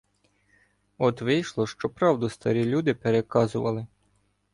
От вийшло, що правду старі люди переказували.